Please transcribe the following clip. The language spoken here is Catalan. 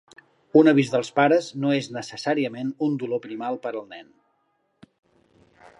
Un avís dels pares no és necessàriament un dolor primal per al nen.